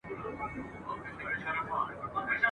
آیا شاهانو د هغې غم کړی وو؟